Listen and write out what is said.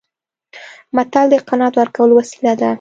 متل د قناعت ورکولو وسیله ده